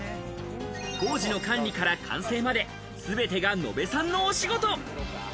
工事の管理から完成まで、全てが野辺さんのお仕事。